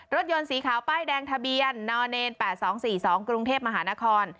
รถยนต์สีขาวป้ายแดงทะเบียนน๘๒๔๒กรุงเทพมหานคร